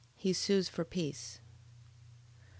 He sues for peace. 11:1.